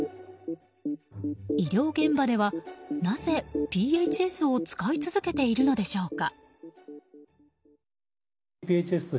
医療現場では、なぜＰＨＳを使い続けているのでしょうか。